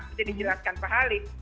seperti dijelaskan pak halim